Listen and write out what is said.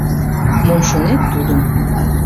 — Мом шонет — тудым.